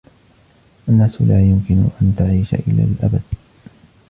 الناس لا يمكن أن تعيش إلى الأبد.